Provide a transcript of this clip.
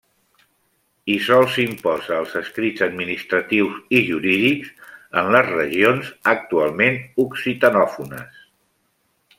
I sols s'imposa als escrits administratius i jurídics en les regions actualment occitanòfones.